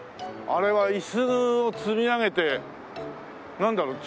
あれは椅子を積み上げてなんだろう？